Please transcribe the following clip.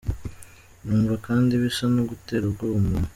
Numva kandi bisa no gutera ubwoba umuntu.